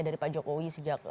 dari pak jokowi sejak